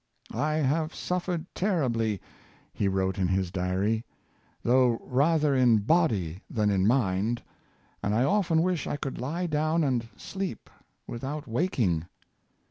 " I have suffered terribly," he wrote in his Diary, " though rather in body than in mind, and I often wish I could lie down and sleep without waking.